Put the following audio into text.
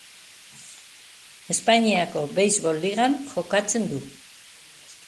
Espainiako Beisbol Ligan jokatzen du.